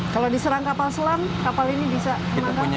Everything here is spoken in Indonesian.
kalau diserang kapal selam kapal ini bisa dimakan